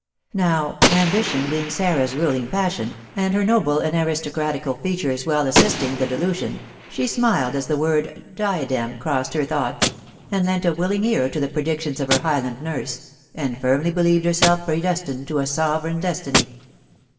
Now, ambition being Sarah's ruling passion, and her noble and aristocratical features well assisting the delusion, she smiled as the word "diadem" crossed her thoughts, and lent a willing ear to the predictions of her Highland nurse, and firmly believed herself predestined to a sovereign destiny.